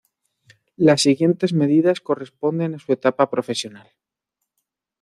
Las siguientes medidas corresponden a su etapa profesional.